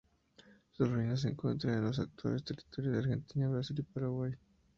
Sus ruinas se encuentran en los actuales territorios de Argentina, Brasil y Paraguay.